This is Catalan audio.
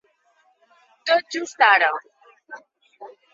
Tot just ara.